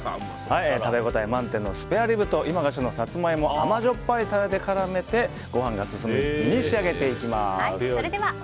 食べ応え満点のスペアリブと今が旬のサツマイモを甘じょっぱいタレで絡めてご飯が進む一品に仕上げていきます。